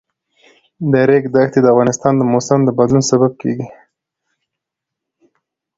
د ریګ دښتې د افغانستان د موسم د بدلون سبب کېږي.